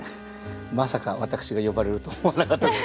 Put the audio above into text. まさか私が呼ばれると思わなかったです。